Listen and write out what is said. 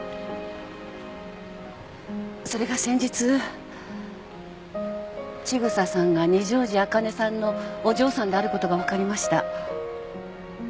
それが先日千草さんが二条路あかねさんのお嬢さんであることが分かりました。